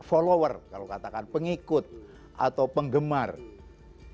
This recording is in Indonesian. bisa menurut saya dua wrestler kalau katakan pengikut atau penggemar itu meningkat virginia